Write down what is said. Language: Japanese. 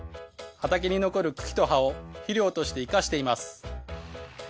畑に残る茎と葉を肥料として活かしています。